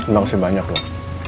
maksud banyak loh